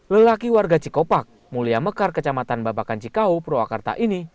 lelaki warga cikopak mulia mekar kecamatan babakan cikau purwakarta ini